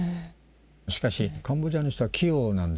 しかしカンボジアの人は器用なんですね。